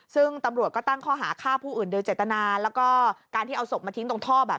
ซึ่งตำรวจก็ตั้งข้อหาฆ่าผู้อื่นโดยเจตนาแล้วก็การที่เอาศพมาทิ้งตรงท่อแบบ